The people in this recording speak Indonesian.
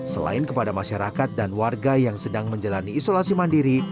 selain kepada masyarakat dan warga yang sedang menjalani isolasi mandiri